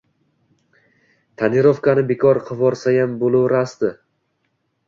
Tonirovkani bekor qivorsayam bo‘lorasidi.